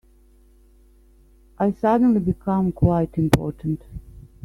I've suddenly become quite important.